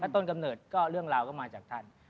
ต้นกำเนิดก็เรื่องราวก็มาจากท่าน